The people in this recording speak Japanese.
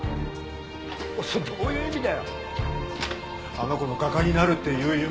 あの子の画家になるっていう夢